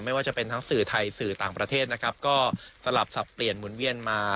ไม่ว่าจะเป็นทั้งสื่อไทยสื่อต่างประเทศนะครับก็สลับสับเปลี่ยนหมุนเวียนมา